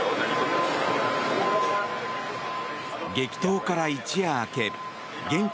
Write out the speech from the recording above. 激闘から一夜明け現地